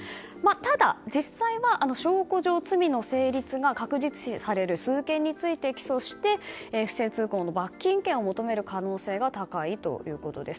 ただ実際は証拠上、罪の成立が確実視される数件について起訴して不正通行の罰金刑を求める可能性が高いということです。